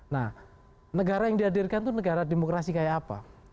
nah negara yang dihadirkan itu negara demokrasi kayak apa